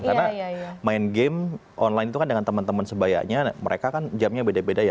karena main game online itu kan dengan teman teman sebanyaknya mereka kan jamnya beda beda ya